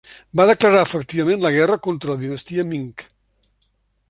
Va declarar efectivament la guerra contra la dinastia Ming.